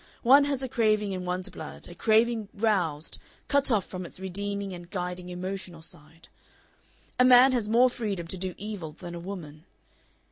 One has a craving in one's blood, a craving roused, cut off from its redeeming and guiding emotional side. A man has more freedom to do evil than a woman.